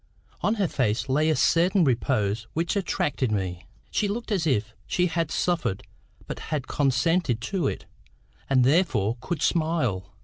On her face lay a certain repose which attracted me. She looked as if she had suffered but had consented to it, and therefore could smile.